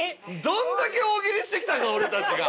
どんだけ大喜利してきたか俺たちが。